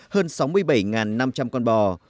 hơn sáu mươi bảy năm trăm linh con bò